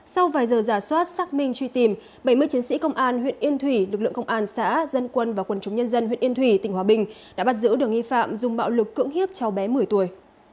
sau vài giờ giả soát xác minh truy tìm bảy mươi chiến sĩ công an huyện yên thủy lực lượng công an xã dân quân và quân chúng nhân dân huyện yên thủy tỉnh hòa bình đã bắt giữ được nghi phạm dùng bạo lực cưỡng hiếp cháu bé một mươi tuổi